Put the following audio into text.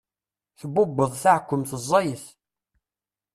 Tbubbeḍ taɛkemt ẓẓayet.